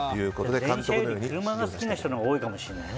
電車より車が好きな人が多いかもしれない。